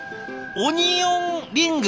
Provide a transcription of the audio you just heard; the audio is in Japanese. オニオンリング？